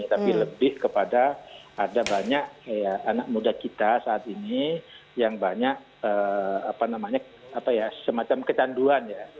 tapi lebih kepada ada banyak anak muda kita saat ini yang banyak semacam kecanduan ya